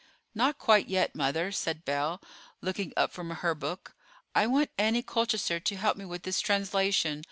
"Not quite yet, mother," said Belle, looking up from her book. "I want Annie Colchester to help me with this translation.